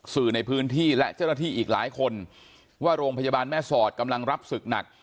สื่อในพื้นที่และเจ้าหน้าที่อีกหลายคนว่าโรงพยาบาลแม่สอดกำลังรับศึกหนัก